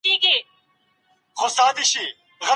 سایبر امنیت د ټولنیزو رسنیو حسابونه خوندي کوي.